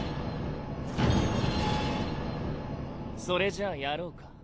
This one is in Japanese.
それじゃやろうか？